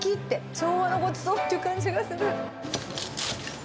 昭和のごちそうっていう感じがする。